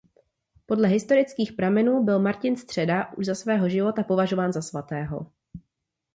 Podle historických pramenů byl Martin Středa už za svého života považován za svatého.